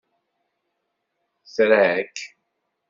Tra-k!